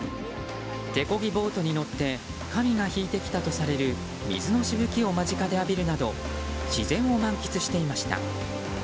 手漕ぎボートに乗って神が引いてきたとされる水のしぶきを間近で浴びるなど自然を満喫していました。